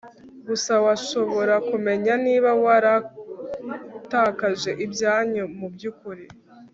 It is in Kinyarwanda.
gusa washobora kumenya niba waratakaje ibyanyu mubyukuri